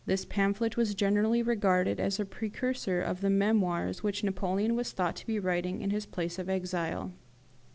This pamphlet was generally regarded as a precursor of the memoirs which Napoleon was thought to be writing in his place of exile.